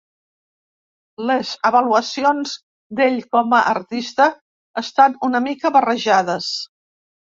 Les avaluacions d'ell com a artista estan una mica barrejades.